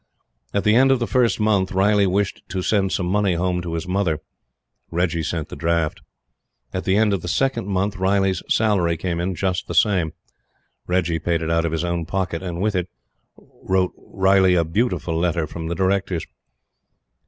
At the end of the first month, Riley wished to send some money home to his mother. Reggie sent the draft. At the end of the second month, Riley's salary came in just the same. Reggie paid it out of his own pocket; and, with it, wrote Riley a beautiful letter from the Directors.